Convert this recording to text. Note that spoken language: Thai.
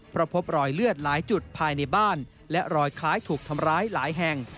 เพราะพบรอยเลือดหลายจุดภายในบ้านและรอยคล้ายถูกทำร้ายหลายแห่ง